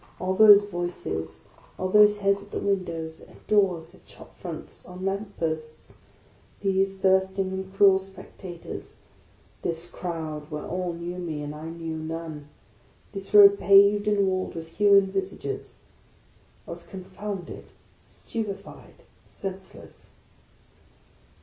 All those voices, all those heads at the windows, at doors, at shop fronts, on lamp posts; these thirsting and cruel spectators; this crowd where all knew me, and I knew none ; this road paved and walled with human visages, — I was confounded, stupefied, senseless.